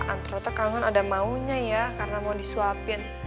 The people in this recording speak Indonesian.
antara kan ada maunya ya karena mau disuapin